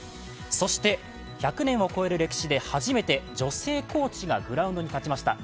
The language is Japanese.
そして、１００年を超える歴史で初めて女性コーチがグラウンドに立ちました。